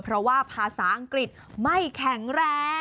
เพราะว่าภาษาอังกฤษไม่แข็งแรง